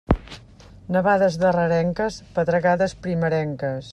Nevades darrerenques, pedregades primerenques.